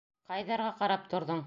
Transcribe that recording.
Ҡайҙарға ҡарап торҙоң?